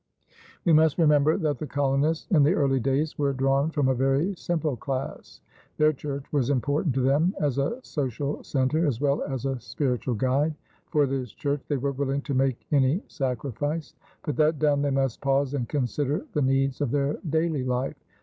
We must remember that the colonists in the early days were drawn from a very simple class. Their church was important to them as a social center as well as a spiritual guide. For this church they were willing to make any sacrifice; but that done, they must pause and consider the needs of their daily life.